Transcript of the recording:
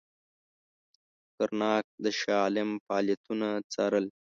کرناک د شاه عالم فعالیتونه څارل.